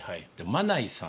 マナイさん？